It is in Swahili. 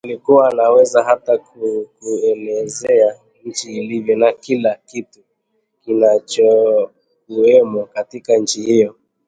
alikuwa anaweza hata kukuelezea nchi ilivyo na kila kitu kilichokuemo katika nchi hiyo